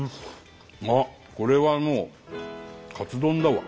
あっこれはもうカツ丼だわ。